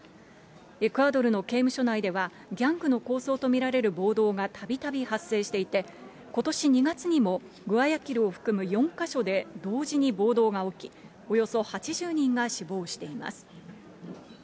エクアドルの刑務所内では、ギャングの抗争と見られる暴動がたびたび発生していて、ことし２月にも、グアヤキルを含む４か所で同時に暴動が起き、およそ８０人が死亡しています。